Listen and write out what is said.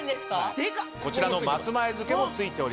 こちらの松前漬けもついております。